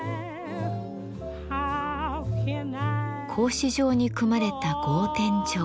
格子状に組まれた格天井。